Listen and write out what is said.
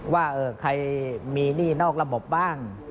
ว่าใครมีหนี้นอกระบบบ้าง